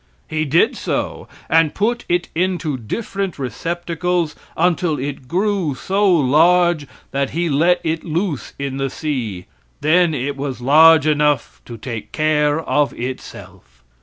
He did so, and put it into different receptacles until it grew so large that he let it loose in the sea; then it was large enough to take care of itself.